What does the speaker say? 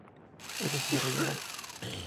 Esto se desarrolla abajo.